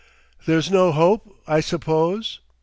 "There's no hope, I suppose?"